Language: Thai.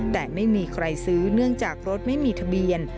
แต่ไม่มีใครซื้อเนื่องจากรถไม่มีทะเบียน